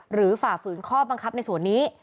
ฝ่าฝืนข้อบังคับในส่วนนี้